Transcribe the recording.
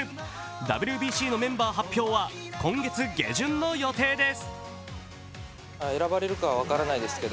ＷＢＣのメンバー発表は今月下旬の予定です。